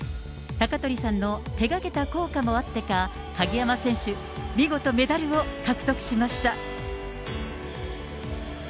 鷹取さんの手がけた効果もあってか、鍵山選手、見事、メダルを獲得しました。